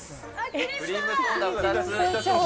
クリームソーダ２つ。